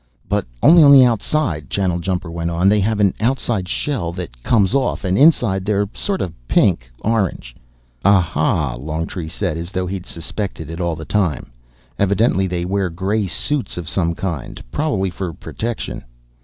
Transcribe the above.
"But only on the outside," Channeljumper went on. "They have an outside shell that comes off, and inside they're sort of pink orange." "Ah ha," Longtree said, as though he'd suspected it all the time. "Evidently they wear grey suits of some kind, probably for protection."